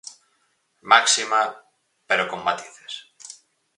Máxima, pero con matices.